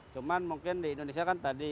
cuman mungkin di indonesia kan tadi